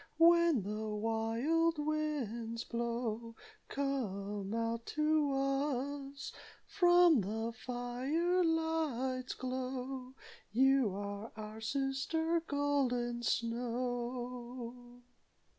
When the wild winds blow, Come out to us From the fire light's glow. You are our sister, Golden Snow."